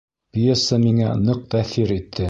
Пьеса миңә ныҡ тәьҫир итте